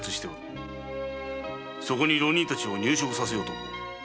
そこに浪人達を入植させようと思う。